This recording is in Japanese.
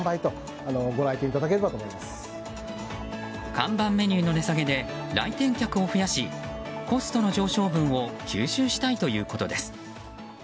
看板メニューの値下げで来店客を増やしコストの上昇分を吸収したいということです。